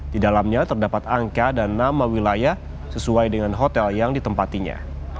di dalamnya terdapat angka dan nama wilayah sesuai dengan hotel yang ditempatinya